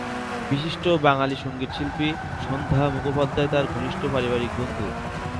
বিশিষ্ট বাঙালি সংগীতশিল্পী সন্ধ্যা মুখোপাধ্যায় তার ঘনিষ্ঠ পারিবারিক বন্ধু।